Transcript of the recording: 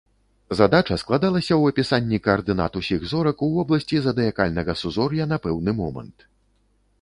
Задача складалася ў апісанні каардынат ўсіх зорак у вобласці задыякальнага сузор'я на пэўны момант.